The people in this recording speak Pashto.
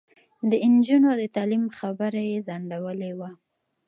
د نجونو د تعلیم خبره یې ځنډولې وه.